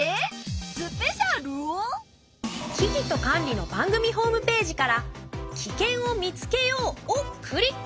「キキとカンリ」の番組ホームページから「キケンをみつけよう！」をクリック。